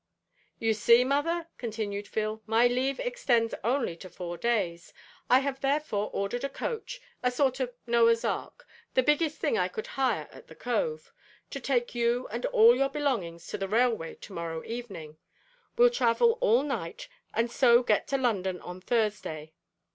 "You see, mother," continued Phil, "my leave extends only to four days. I have therefore ordered a coach a sort of Noah's Ark the biggest thing I could hire at the Cove to take you and all your belongings to the railway tomorrow evening. We'll travel all night, and so get to London on Thursday.